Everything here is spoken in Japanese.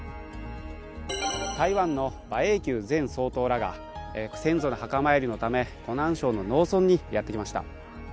台湾の馬英九前総統らが先祖の墓参りのため湖南省の農村にやってきました。